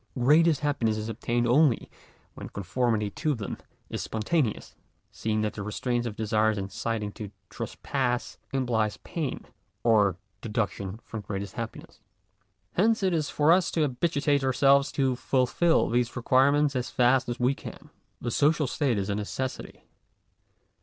Greatest happiness is obtained only when conformity to them is spon taneous ; seeing that the restraint of desires inciting to trespass implies pain, or deduction from greatest happiness. Hence it is for us to habituate ourselves to fulfil these requirements as fast as we can. The social state is a necessity.